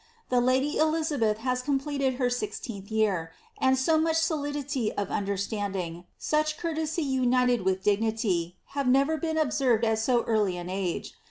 ^ The lady Elizabeth has completed her sixteenth year ; and so much solidity of underetanding, such courtesy united with dignity, have never been observed at so early an age.